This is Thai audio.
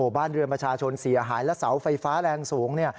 บ้านเรือนประชาชนเสียหายและเสาไฟฟ้าแรงสูง